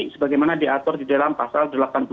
sebagaimana diatur di dalam pasal delapan puluh delapan